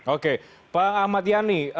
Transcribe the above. oke pak ahmad yani